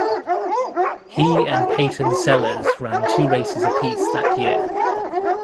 He and Peyton Sellers ran two races apiece that year.